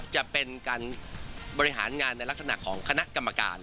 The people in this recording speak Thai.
จะเป็นการบริหารงานในลักษณะของคณะกรรมการ